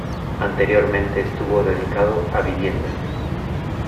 Anteriormente estuvo dedicado a vivienda.